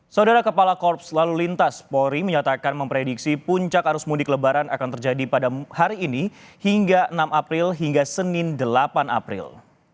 saudara kepala korps lalu lintas polri menyatakan memprediksi puncak arus mudik lebaran akan terjadi pada hari ini hingga enam april hingga senin delapan april